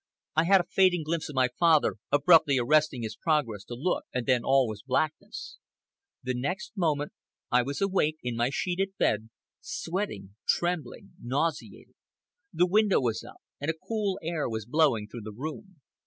I had a fading glimpse of my father abruptly arresting his progress to look, and then all was blackness. The next moment I was awake, in my sheeted bed, sweating, trembling, nauseated. The window was up, and a cool air was blowing through the room.